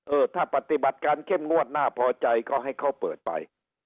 เออถ้าปฏิบัติการเข้มงวดน่าพอใจก็ให้เขาเปิดไป